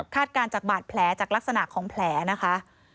การจากบาดแผลจากลักษณะของแผลนะคะ